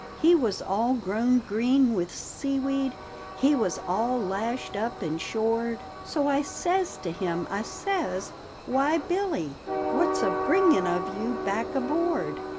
He was all grown green with seaweed He was all lashed up and shored; So I says to him, I says, ' Why, Billy I What's a bringin' of you back aboard?